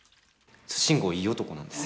慎吾いい男なんです。